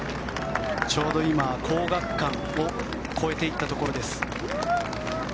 ちょうど今、皇學館を越えていったところです。